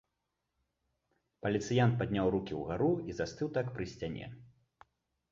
Паліцыянт падняў рукі ўгару і застыў так пры сцяне.